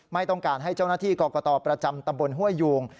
ไม่ต้องการให้เจ้าหน้าที่กรกตประจำตำบลห้วยยูง